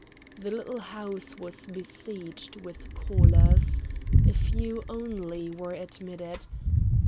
The little house was besieged with callers. A few only were admitted.